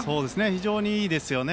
非常にいいですね。